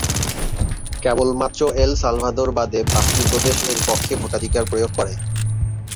কেবলমাত্র El Salvador বাদে পাঁচটি প্রদেশ এর পক্ষে ভোটাধিকার প্রয়োগ করে।